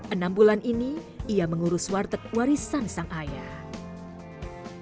enam bulan ini ia mengurus warteg warisan sang ayah